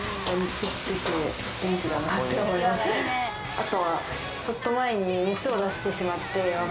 あとはちょっと前に。